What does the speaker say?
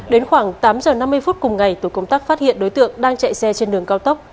đến khoảng tám giờ năm mươi phút cùng ngày tổ công tác phát hiện đối tượng đang chạy xe trên đường cao tốc